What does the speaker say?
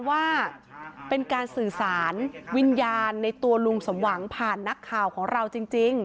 ว่าเป็นการสื่อสารวิญญาณในตัวลุงสมหวังผ่านนักข่าวของเราจริง